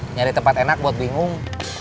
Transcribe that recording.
nyari tempat enak buat bingung